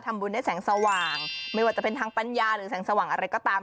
บุญได้แสงสว่างไม่ว่าจะเป็นทางปัญญาหรือแสงสว่างอะไรก็ตาม